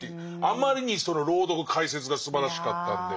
あまりにその朗読解説がすばらしかったんで。